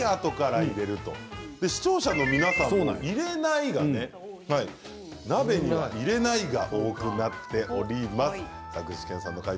視聴者の皆さん鍋には入れないが多くなっています。